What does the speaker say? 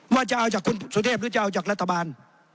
ว่าจะเอาจากคุณสุเทพหรือจะเอาจากรัฐบาล